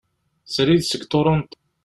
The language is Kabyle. Srid seg Toronto.